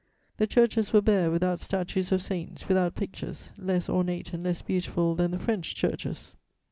The churches were bare, without statues of saints, without pictures, less ornate and less beautiful than the French churches.